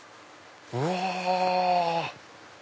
うわ！